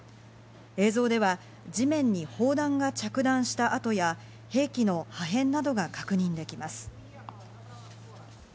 映像では地面に砲弾が着弾したあとや、兵器の破片などが確認できます。